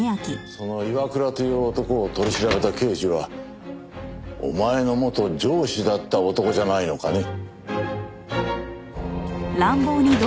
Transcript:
その岩倉という男を取り調べた刑事はお前の元上司だった男じゃないのかね？